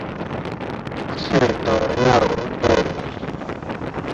刺多肉味美。